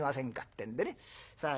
てんでねさあ